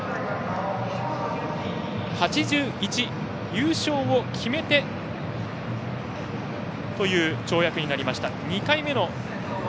１ｍ８１、優勝を決めてという跳躍になりました。